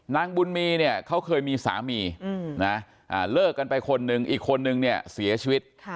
นางบุญมีเนี่ยเขาเคยมีสามีนะเลิกกันไปคนนึงอีกคนนึงเนี่ยเสียชีวิต